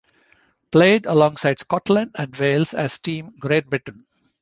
Played alongside Scotland and Wales as Team Great Britain.